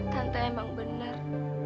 tante emang benar